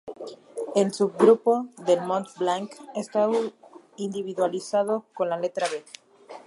El subgrupo del Mont Blanc está individualizado con la letra "b".